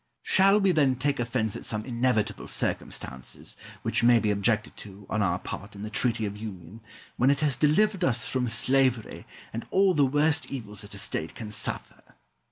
Shall we, then, take offence at some inevitable circumstances, which may be objected to, on our part, in the Treaty of Union, when it has delivered us from slavery, and all the worst evils that a state can suffer?